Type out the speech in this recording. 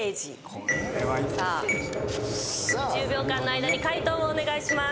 １０秒間の間に解答をお願いします。